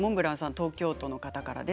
東京都の方からです。